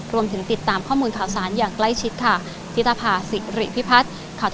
รวมถึงติดตามข้อมูลข่าวสารอย่างใกล้ชิดค่ะ